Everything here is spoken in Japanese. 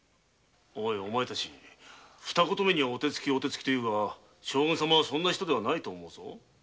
お前たちは二言目には「お手つきお手つき」と言うが将軍様はそんな人ではないと思うぞ。